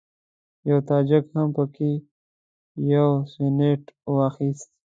یوه تاجک هم په کې یو سینټ وانخیست.